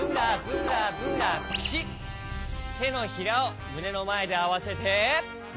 てのひらをむねのまえであわせて。